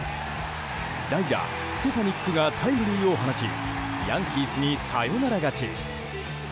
代打ステファニックがタイムリーを放ちヤンキースにサヨナラ勝ち。